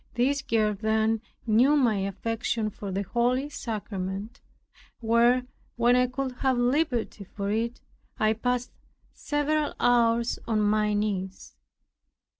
This girl then knew my affection for the holy sacrament, where, when I could have liberty for it, I passed several hours on my knees.